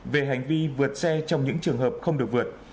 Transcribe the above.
về hành vi vượt xe trong những trường hợp không được vượt